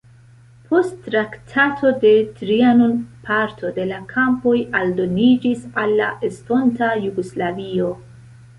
Post Traktato de Trianon parto de la kampoj aldoniĝis al la estonta Jugoslavio.